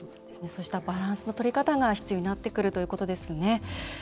そうしたバランスのとり方が必要になってくるということですね。